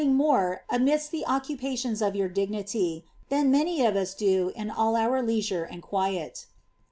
ing more amidst the occupations of your dignity, than many w in all our leisure and quiet.